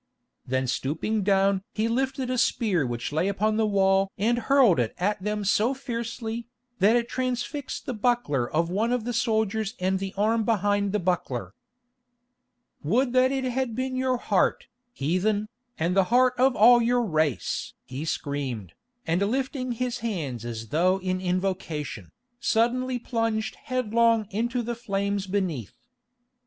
Then stooping down he lifted a spear which lay upon the wall and hurled it at them so fiercely, that it transfixed the buckler of one of the soldiers and the arm behind the buckler. "Would that it had been your heart, heathen, and the heart of all your race!" he screamed, and lifting his hands as though in invocation, suddenly plunged headlong into the flames beneath.